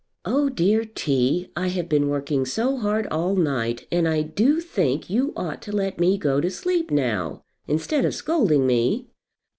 "Oh, dear T., I have been working so hard all night; and I do think you ought to let me go to sleep now, instead of scolding me."